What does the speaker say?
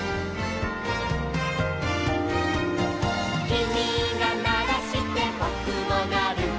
「きみがならしてぼくもなる」